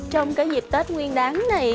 trong cái dịp tết nguyên đáng này